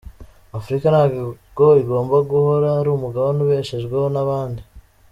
Afurika ntabwo igomba guhora ari umugabane ubeshejweho n’abandi.